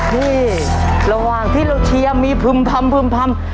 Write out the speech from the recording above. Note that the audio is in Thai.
นี่ระหว่างที่เราเชียร์มีพึ่มพำ